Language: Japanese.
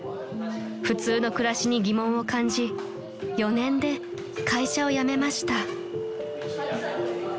［普通の暮らしに疑問を感じ４年で会社を辞めました］